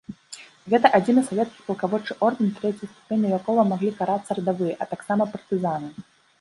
Гэта адзіны савецкі палкаводчы ордэн, трэцяй ступенню якога маглі карацца радавыя, а таксама партызаны.